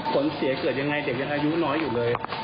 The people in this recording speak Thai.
ผลเสียเกิดยังไงเด็กยังอายุน้อยอยู่เลย